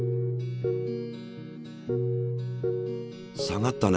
下がったね。